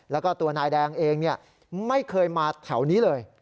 แล้วก็ตัวนายแดงเองไม่เคยมาแถวนี้เลย